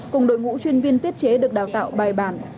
cùng đội ngũ chuyên viên tiết chế được đào tạo bài bản